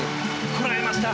こらえました。